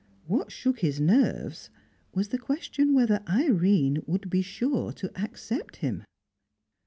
What shook his nerves was the question whether Irene would be sure to accept him.